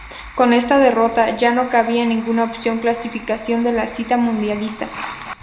Con esta derrota, ya no cabía ninguna opción clasificación para la cita mundialista.